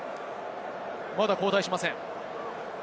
まだ交代しません。